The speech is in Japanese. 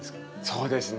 そうですね。